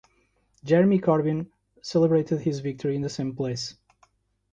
Jeremy Corbyn celebrated his victory in the same place.